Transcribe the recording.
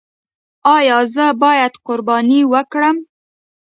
ایا زه باید قرباني وکړم؟